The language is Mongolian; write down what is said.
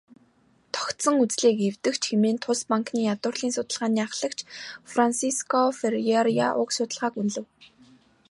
"Тогтсон үзлийг эвдэгч" хэмээн тус банкны ядуурлын судалгааны ахлагч Франсиско Ферреира уг судалгааг үнэлэв.